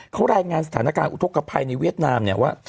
เขารายงานสถานการณ์อุทธกภัยในเวียดนามเนี่ยว่า